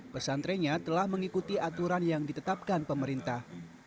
pesantrennya telah mengikuti aturan yang ditetapkan pemerintah